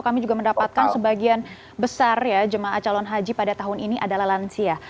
kami juga mendapatkan sebagian besar ya jemaah calon haji pada tahun ini adalah lansia